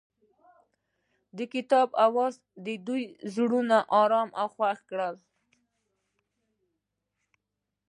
د کتاب اواز د دوی زړونه ارامه او خوښ کړل.